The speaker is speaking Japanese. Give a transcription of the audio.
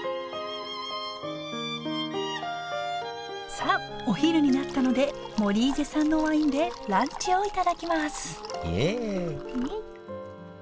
さあお昼になったのでモリーゼ産のワインでランチを頂きますイエイ！